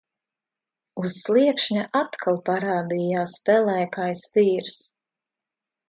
Uz sliekšņa atkal parādījās pelēkais vīrs.